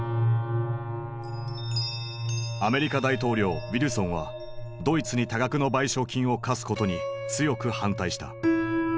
アメリカ大統領ウィルソンはドイツに多額の賠償金を科すことに強く反対した。